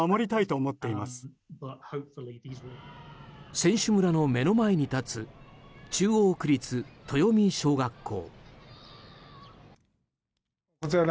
選手村の目の前に立つ中央区立豊海小学校。